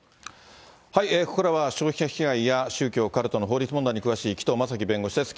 ここからは消費者被害や、宗教、カルトの法律問題に詳しい、紀藤正樹弁護士です。